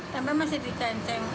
tempe masih dikenceng